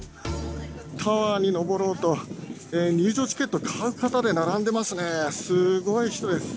タワーに上ろうと、入場チケットを買う方で並んでますね。